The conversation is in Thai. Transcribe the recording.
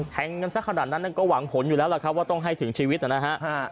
แทงกันสักขนาดนั้นก็หวังผลอยู่แล้วล่ะครับว่าต้องให้ถึงชีวิตนะฮะ